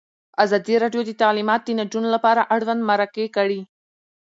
ازادي راډیو د تعلیمات د نجونو لپاره اړوند مرکې کړي.